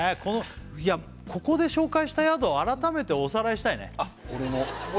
ここで紹介した宿を改めておさらいしたいね